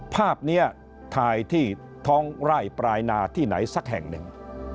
ภาพนี้ถ่ายที่ท้องไร่ปลายนาที่ไหนสักแห่งหนึ่ง